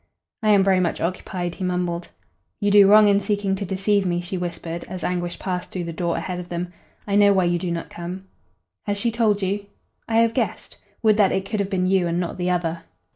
"I am very much occupied," he mumbled. "You do wrong in seeking to deceive me," she whispered, as Anguish passed through the door ahead of them. "I know why you do not come." "Has she told you?" "I have guessed. Would that it could have been you and not the other."